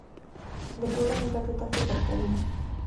د ټولنې ګټو ته فکر کوي.